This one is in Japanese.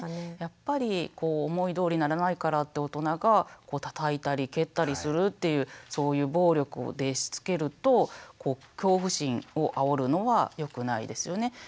やっぱり思いどおりにならないからって大人がたたいたり蹴ったりするっていうそういう暴力でしつけると恐怖心をあおるのはよくないですよね。